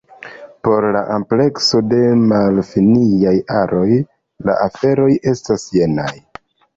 Por la amplekso de malfiniaj aroj, la aferoj estas jenaj.